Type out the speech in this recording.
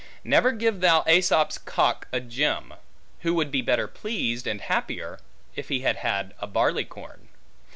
Neither give thou AEsop's cock a gem, who would be better pleased, and happier, if he had had a barley corn.